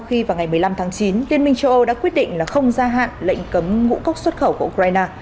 khi vào ngày một mươi năm tháng chín liên minh châu âu đã quyết định là không gia hạn lệnh cấm ngũ cốc xuất khẩu của ukraine